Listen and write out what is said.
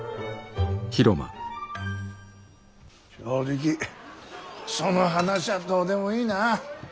正直その話はどうでもいいなあ。